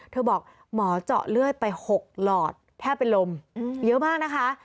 บอกหมอเจาะเลือดไป๖หลอดแทบเป็นลมเยอะมากนะคะ